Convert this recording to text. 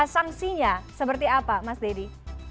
sanksinya seperti apa mas dedy